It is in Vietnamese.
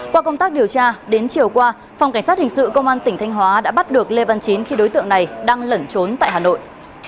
qua công tác điều tra đến chiều qua phòng cảnh sát hình sự công an tỉnh thanh hóa đã bắt được lê văn chín khi đối tượng này đang lẩn trốn tại hà nội